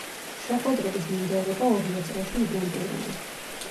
შეხვედრების მიმდევრობა ორივე წრეში იდენტურია.